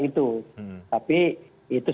itu tapi itu